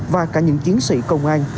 và cả những chiến sĩ công an